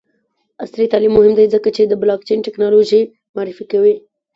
عصري تعلیم مهم دی ځکه چې د بلاکچین ټیکنالوژي معرفي کوي.